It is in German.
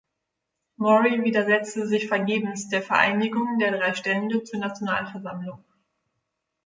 Maury widersetzte sich vergebens der Vereinigung der drei Stände zur Nationalversammlung.